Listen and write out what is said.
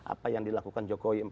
apa yang dilakukan jokowi